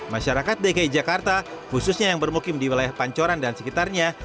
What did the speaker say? masyarakat dki jakarta khususnya yang bermukim di wilayah pancoran dan sekitarnya